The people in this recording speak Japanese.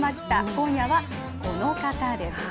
今夜はこの方です。